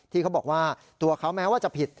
ที่เขาบอกว่าตัวเขาแม้ว่าจะผิด